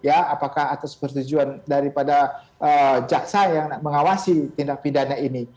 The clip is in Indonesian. apakah atas persetujuan daripada jaksa yang mengawasi tindak pidana ini